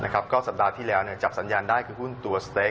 ก็สัปดาห์ที่แล้วจับสัญญาณได้คือหุ้นตัวสเต๊